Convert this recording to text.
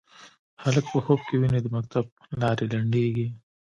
هلک په خوب کې ویني د مکتب لارې لنډیږې